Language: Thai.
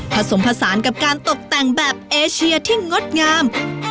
ผสมผสานกับการตกแต่งแบบเอเชียที่งดงาม